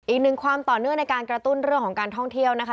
อีกหนึ่งความต่อเนื่องในการกระตุ้นเรื่องของการท่องเที่ยวนะคะ